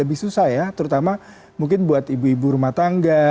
lebih susah ya terutama mungkin buat ibu ibu rumah tangga